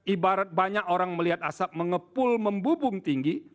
ibarat banyak orang melihat asap mengepul membubung tinggi